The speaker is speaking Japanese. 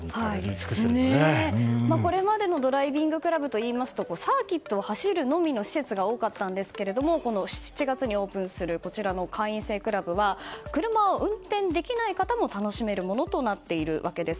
これまでのドライビングクラブといいますとサーキットを走るのみの施設が多かったんですがこの７月にオープンするこちらの会員制クラブは車を運転できない方も楽しめるものとなっています。